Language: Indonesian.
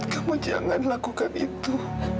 kamu jangan lakukan itu